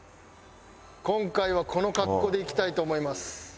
今回はこの格好でいきたいと思います。